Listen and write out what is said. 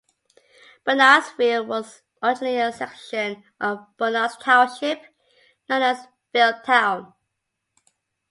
Bernardsville was originally a section of Bernards Township known as Vealtown.